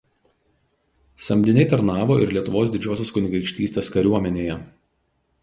Samdiniai tarnavo ir Lietuvos Didžiosios Kunigaikštystės kariuomenėje.